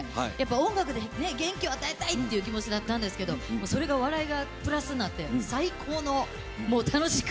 音楽で元気を与えたいっていう気持ちだったんですけどそれが笑いがプラスになって楽しく。